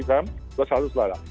itu salah satu